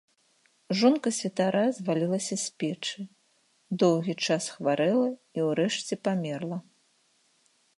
Жонка святара звалілася з печы, доўгі час хварэла і ўрэшце памерла.